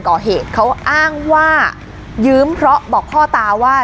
สลับผัดเปลี่ยนกันงมค้นหาต่อเนื่อง๑๐ชั่วโมงด้วยกัน